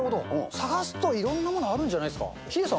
探すといろんなもの、あるんじゃないですか。